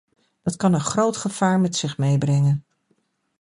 Dat kan een groot gevaar met zich meebrengen.